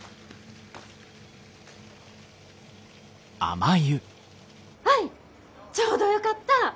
アイちょうどよかった。